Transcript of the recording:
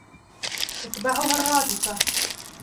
تَتْبَعُهَا الرَّادِفَةُ